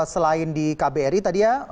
selain di kbri tadi ya